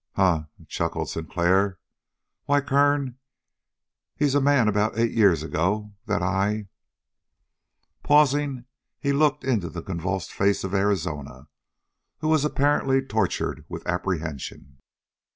"Huh!" chuckled Sinclair. "Why, Kern, he's a man about eight years ago that I " Pausing, he looked into the convulsed face of Arizona, who was apparently tortured with apprehension.